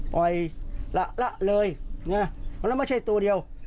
ปล่อยละเลยเพราะฉะนั้นไม่ใช่ตัวเดียว